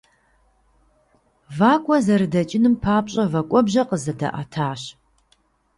Вакӏуэ зэрыдэкӏыным папщӏэ вэкӏуэбжьэ къызэдаӏэтащ.